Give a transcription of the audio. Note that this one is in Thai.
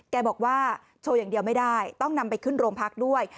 แกบอกว่าโชว์อย่างเดียวไม่ได้ต้องนำไปขึ้นโรงพักด้วย